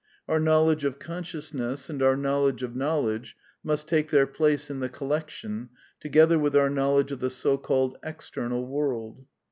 Our knowledge of conscious ness and our knowledge of knowledge must take their place in the collection, together with our knowledge of the so called external world.